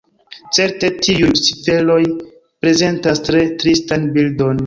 Certe tiuj ciferoj prezentas tre tristan bildon.